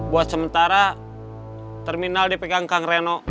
buat sementara terminal dipegang kang reno